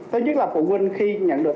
thứ nhất là phụ huynh khi nhận được